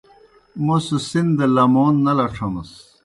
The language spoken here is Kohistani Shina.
موْس سِن دہ لمون نہ لڇھمَس۔